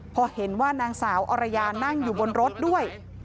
พอเห็นว่านางสาวอรยานั่งอยู่บนรถด้วย